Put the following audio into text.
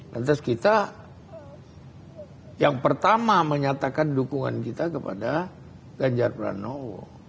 lantas kita yang pertama menyatakan dukungan kita kepada ganjar pranowo